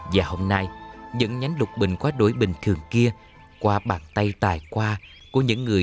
và hôm nay những nhánh lục bình quá đối bình thường kia qua bàn tay tài qua của những người